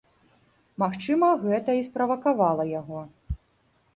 Магчыма, гэта і справакавала яго.